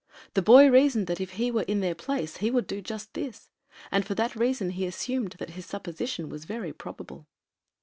The boy reasoned that if he were in their place he would do just this, and for that reason he assumed that his supposition was very probable.